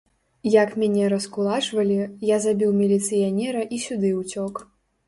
Як мяне раскулачвалі, я забіў міліцыянера і сюды ўцёк.